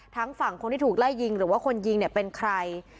ฝั่งคนที่ถูกไล่ยิงหรือว่าคนยิงเนี่ยเป็นใคร